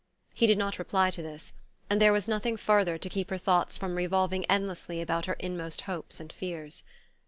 He did not reply to this, and there was nothing further to keep her thoughts from revolving endlessly about her inmost hopes and fears.